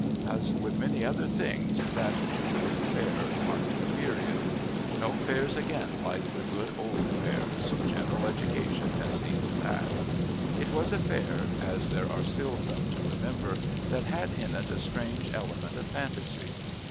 As with many other things, that Jubilee Fair marked a period. No Fairs again like the good old Fairs general education has seen to that. It was a Fair, as there are still some to remember, that had in it a strange element of fantasy.